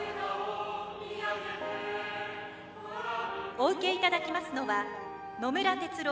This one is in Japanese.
お受けいただきますのは野村哲郎